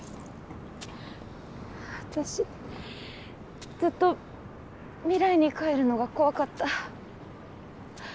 私ずっと未来に帰るのが怖かった。